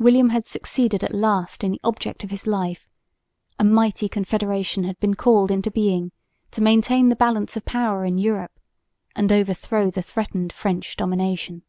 William had succeeded at last in the object of his life; a mighty confederation had been called into being to maintain the balance of power in Europe, and overthrow the threatened French domination.